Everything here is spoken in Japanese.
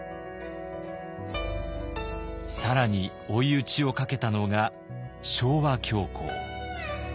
更に追い打ちをかけたのが昭和恐慌。